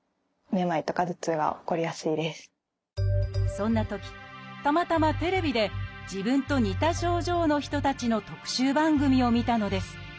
そんなときたまたまテレビで自分と似た症状の人たちの特集番組を見たのです。